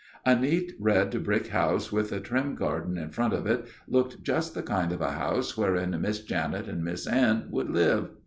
A neat red brick house with a trim garden in front of it looked just the kind of a house wherein Miss Janet and Miss Anne would live.